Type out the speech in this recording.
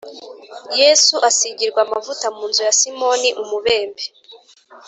Yesu asigirwa amavuta mu nzu ya Simoni umubembe